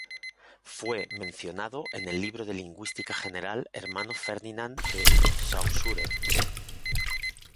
Fue mencionado en el libro Curso de lingüística general Hermano Ferdinand de Saussure.